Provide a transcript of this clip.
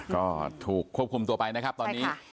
ก็ถูกควบคุมตัวไปนะครับตอนนี้